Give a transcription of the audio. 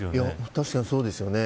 確かにそうですよね。